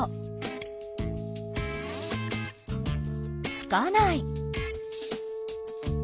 つかない。